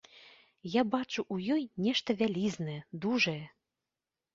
Я бачу ў ёй нешта вялізнае, дужае.